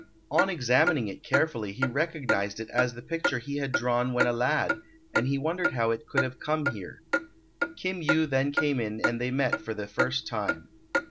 On examining it carefully he recognized it as the picture he had drawn when a lad, and he wondered how it could have come here. Kim Yu then came in and they met for the first time.